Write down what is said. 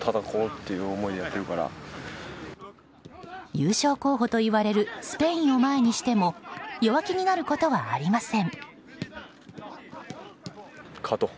優勝候補と言われるスペインを前にしても弱気になることはありません。